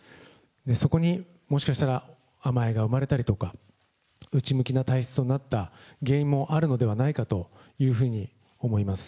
そこにもしかしたら甘えが生まれたりとか、内向きな体質となった原因もあるのではないかというふうに思います。